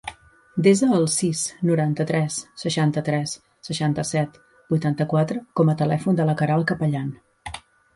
Desa el sis, noranta-tres, seixanta-tres, seixanta-set, vuitanta-quatre com a telèfon de la Queralt Capellan.